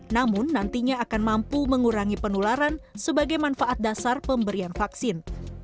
namun nantinya akan mampu mengurangi penularan sebagai manfaat dasar pemberian vaksin